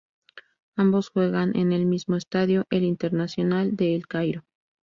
Ambos juegan en el mismo estadio, el Internacional de El Cairo.